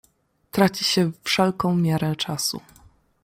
"Traci się wszelką miarę czasu."